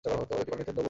এটি পানিতে দ্রবণীয়।